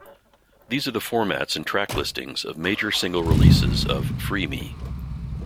These are the formats and track listings of major single releases of "Free Me".